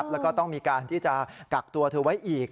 แล้วก็ต้องมีการที่จะกักตัวเธอไว้อีก